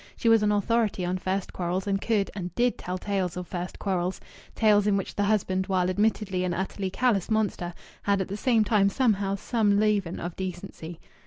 She was an authority on first quarrels and could and did tell tales of first quarrels tales in which the husband, while admittedly an utterly callous monster, had at the same time somehow some leaven of decency.